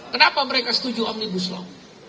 kenapa mereka setuju omnibus law